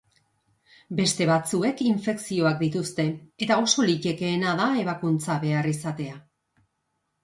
Beste batzuek infekzioak dituzte eta oso litekeena da ebakuntza behar izatea.